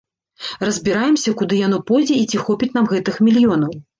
Разбіраемся, куды яно пойдзе і ці хопіць нам гэтых мільёнаў.